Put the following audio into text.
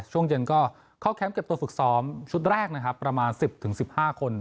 ช่วงเย็นก็เข้าแคมป์เก็บตัวฝึกซ้อมชุดแรกนะครับประมาณ๑๐๑๕คน